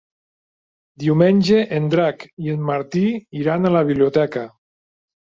Diumenge en Drac i en Martí iran a la biblioteca.